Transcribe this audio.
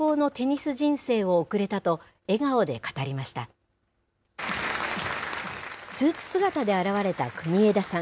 スーツ姿で現れた国枝さん。